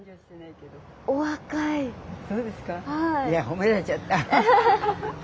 いや褒められちゃった。